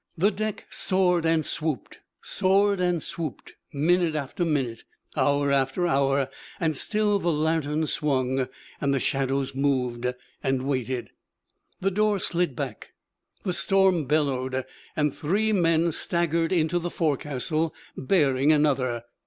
The deck soared and swooped, soared and swooped, minute after minute, hour after hour, and still the lantern swung, and the shadows moved and waited. The door slid back, the storm bellowed, and three men staggered into the forecastle, bearing another.